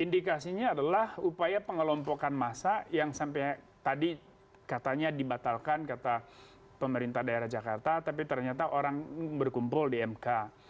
indikasinya adalah upaya pengelompokan massa yang sampai tadi katanya dibatalkan kata pemerintah daerah jakarta tapi ternyata orang berkumpul di mk